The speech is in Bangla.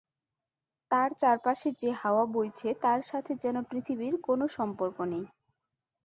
তার চারপাশে যে হাওয়া বইছে তার সাথে যেন পৃথিবীর কোনো সম্পর্ক নেই।